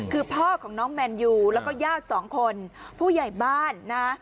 คือพ่อของน้องแมนยูแล้วก็ญาติสองคนผู้ใหญ่บ้านนะ